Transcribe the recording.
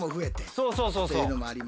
そうそうそうそう。